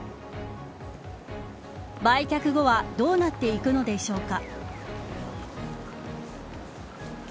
売却後はどうなっていくのでしょうか。